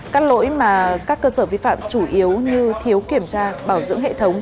các lỗi mà các cơ sở vi phạm chủ yếu như thiếu kiểm tra bảo dưỡng hệ thống